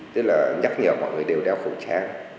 tức là nhắc nhở mọi người đều đeo khẩu trang